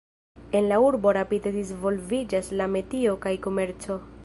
En la urbo rapide disvolviĝas la metio kaj komerco.